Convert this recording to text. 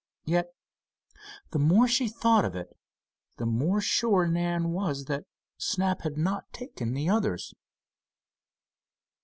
Yet, the more she thought of it the more sure Nan was that Snap had not taken the others.